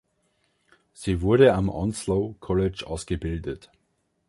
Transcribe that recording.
Sie wurde am Onslow College ausgebildet.